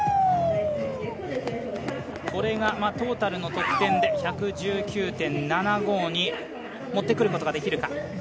これがトータルの得点で１１９．７５に持ってくることができるか。